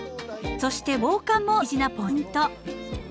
そして防寒も大事なポイント。